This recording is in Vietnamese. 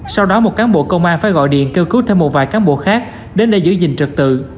sau đó một cán bộ công an phải gọi điện kêu cứu thêm một vài cán bộ khác đến để giữ gìn trực tự